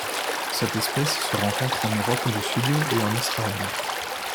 Cette espèce se rencontre en Europe du Sud et en Israël.